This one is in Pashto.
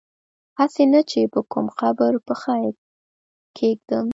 هسي نه چي په کوم قبر پښه کیږدم